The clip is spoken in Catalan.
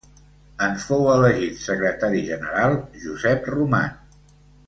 En fou elegit secretari general Josep Roman.